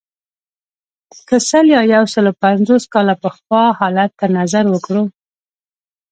که سل یا یو سلو پنځوس کاله پخوا حالت ته نظر وکړو.